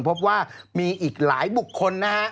พบว่ามีอีกหลายบุคคลนะฮะ